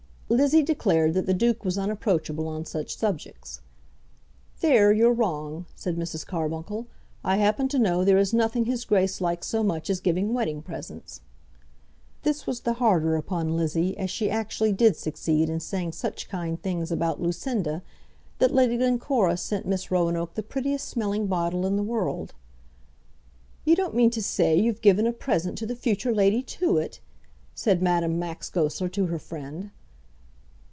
Lizzie declared that the duke was unapproachable on such subjects. "There you're wrong," said Mrs. Carbuncle. "I happen to know there is nothing his grace likes so much as giving wedding presents." This was the harder upon Lizzie as she actually did succeed in saying such kind things about Lucinda, that Lady Glencora sent Miss Roanoke the prettiest smelling bottle in the world. "You don't mean to say you've given a present to the future Lady Tewett?" said Madame Max Goesler to her friend.